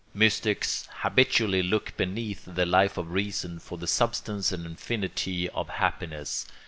Mystics habitually look beneath the Life of Reason for the substance and infinity of happiness.